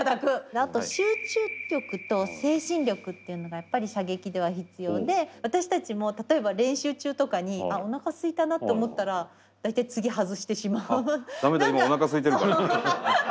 あと集中力と精神力っていうのがやっぱり射撃では必要で私たちも例えば練習中とかに「あおなかすいたな」と思ったら大体次外してしまう。